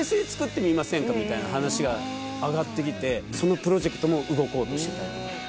みたいな話が上がってきてそのプロジェクトも動こうとしてたりとか。